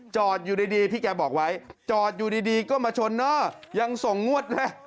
จอดอยู่ดีพี่แกบอกไว้จอดอยู่ดีก็มาชนเนอร์ยังส่งงวดนะ